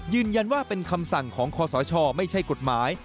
ยืนยันว่าเป็นคำสั่งของคอสชไม่ใช่กฎหมาย